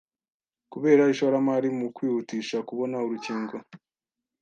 kubera ishoramari mu kwihutisha kubona urukingo.